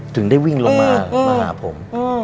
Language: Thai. ถึงได้วิ่งลงมามาหาผม